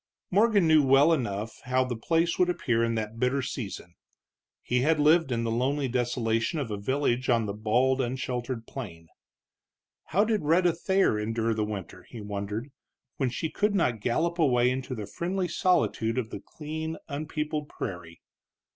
Morgan knew well enough how the place would appear in that bitter season; he had lived in the lonely desolation of a village on the bald, unsheltered plain. How did Rhetta Thayer endure the winter, he wondered, when she could not gallop away into the friendly solitude of the clean, unpeopled prairie?